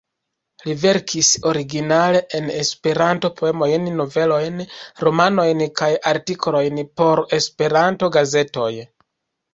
Li verkis originale en Esperanto poemojn, novelojn, romanojn kaj artikolojn por Esperanto-gazetoj.